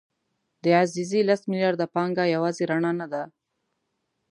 د عزیزي لس میلیارده پانګه یوازې رڼا نه ده.